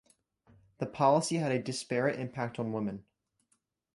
The policy had a disparate impact on women.